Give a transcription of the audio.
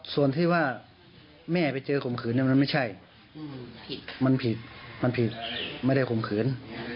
ส่วนที่ว่าแม่ไปเจอข่มขืนมันไม่ใช่มันผิดมันผิดไม่ได้ข่มขืน